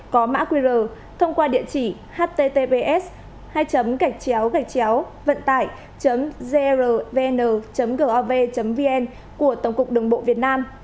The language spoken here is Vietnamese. có mã qr thông qua địa chỉ https vận tải grvn gov vn của tổng cục đường bộ việt nam